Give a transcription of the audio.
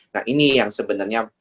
nah ini yang sebenarnya